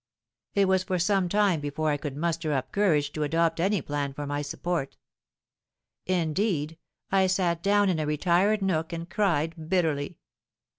"I was for some time before I could muster up courage to adopt any plan for my support. Indeed, I sate down in a retired nook and cried bitterly.